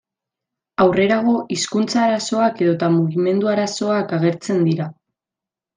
Aurrerago, hizkuntza arazoak edota mugimendu-arazoak agertzen dira.